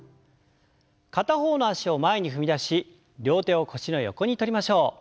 片方の脚を前に踏み出し両手を腰の横にとりましょう。